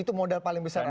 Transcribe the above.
itu modal paling besar